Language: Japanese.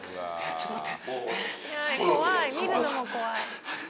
ちょっと待って。